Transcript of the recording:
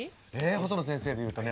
細野先生で言うとね